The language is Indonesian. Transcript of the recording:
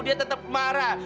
dia tetap marah